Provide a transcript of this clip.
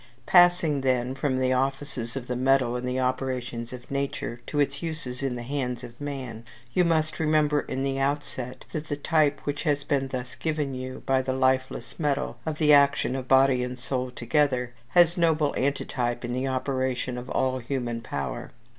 Passing, then, from the offices of the metal in the operations of nature to its uses in the hands of man, you must remember, in the outset, that the type which has been thus given you, by the lifeless metal, of the action of body and soul together, has noble antitype in the operation of all human power.